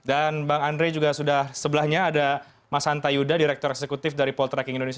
dan bang andre juga sudah sebelahnya ada mas anta yuda direktur eksekutif dari poltreking indonesia